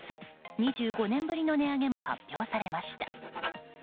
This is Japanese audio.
２５年ぶりの発表されました。